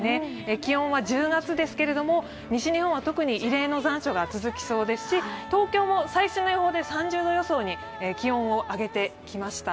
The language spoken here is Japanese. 気温は１０月ですけれども、西日本は特に異例の残暑が続きそうですし東京も最終の予報で３０度予想に気温を上げてきました。